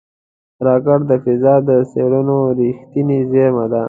راکټ د فضا د څېړنو رېښتینی زېری دی